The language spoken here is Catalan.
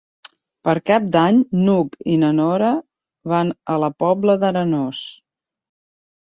Per Cap d'Any n'Hug i na Nora van a la Pobla d'Arenós.